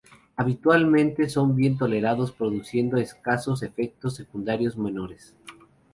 Habitualmente son bien tolerados produciendo escasos efectos secundarios menores.